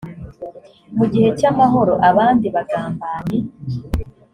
mu gihe cy amahoro abandi bagambanyi